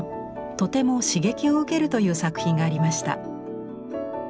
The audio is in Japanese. とても刺激を受けるという作品がありました。